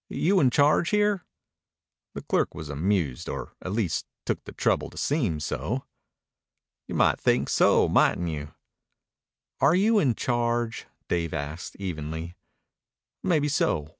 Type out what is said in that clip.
"You in charge here?" The clerk was amused, or at least took the trouble to seem so. "You might think so, mightn't you?" "Are you in charge?" asked Dave evenly. "Maybeso.